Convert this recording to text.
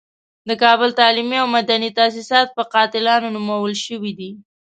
د کابل تعلیمي او مدني تاسیسات په قاتلانو نومول شوي دي.